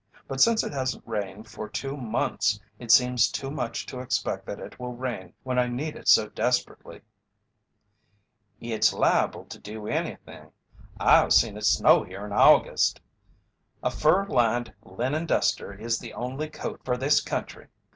"But since it hasn't rained for two months it seems too much to expect that it will rain when I need it so desperately." "It's liable to do anything. I've seen it snow here in August. A fur lined linen duster is the only coat fer this country.